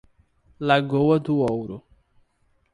Lagoa do Ouro